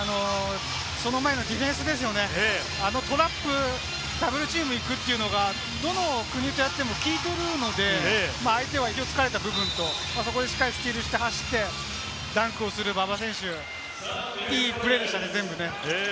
その前のディフェンスですね、あのトラップ、ダブルチーム行くっていうのが、どの国とやっても効いているので、相手は意表を突かれた部分と、そこでしっかりスティールして走って、ダンクをする馬場選手、いいプレーでしたね、全部ね。